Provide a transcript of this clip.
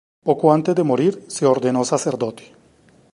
Poco antes de morir se ordenó sacerdote.